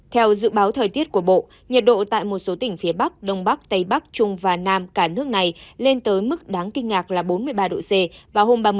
theo dự báo thời tiết của bộ nhiệt độ tại một số tỉnh phía bắc đông bắc tây bắc trung và nam cả nước này lên tới mức đáng kinh ngạc là bốn mươi ba độ c vào hôm ba mươi tháng bốn